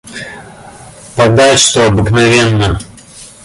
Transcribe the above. Подать, что обыкновенно.